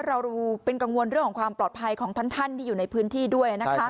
เราเป็นกังวลเรื่องของความปลอดภัยของท่านที่อยู่ในพื้นที่ด้วยนะคะ